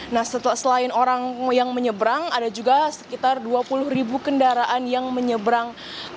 nah setelah selain orang yang menyebrang ada juga sekitar dua puluh kendaraan yang menyebrang